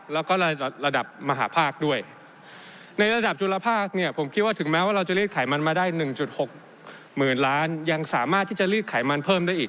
และก็ระดับมาหาภาคด้วยในระดับจุลภาค